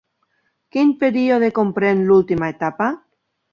Quin període comprèn l'última etapa?